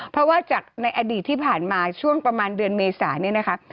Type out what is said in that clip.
เพราะว่าจากในอดีตที่ผ่านมาช่วงประมาณเดือนเมษาเนี่ยนะคะ